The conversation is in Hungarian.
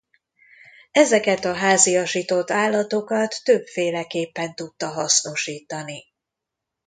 Ezeket a háziasított állatokat többféleképpen tudta hasznosítani.